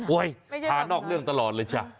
ทานนอกเรื่องตลอดเลยจ้ะ